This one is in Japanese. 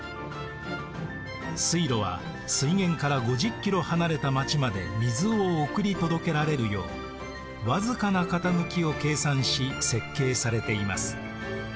水路は水源から５０キロ離れた町まで水を送り届けられるよう僅かな傾きを計算し設計されています。